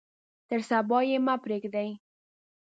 تر صبا یې مه پریږدئ.